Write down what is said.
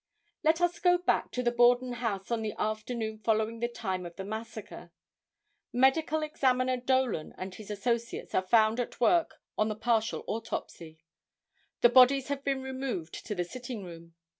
Let us go back to the Borden house on the afternoon following the time of the massacre. Medical Examiner Dolan and his associates are found at work on the partial autopsy. The bodies had been removed to the sitting room.